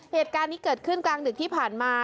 เหตุการณ์นี้เกิดขึ้นกลางดึกที่ผ่านมา